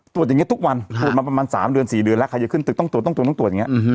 ตรวจอย่างเงี้ยทุกวันอ่าตรวจมาประมาณสามเดือนสี่เดือนแล้วใครจะขึ้นตึกต้องตรวจต้องตรวจอย่างเงี้ยอืม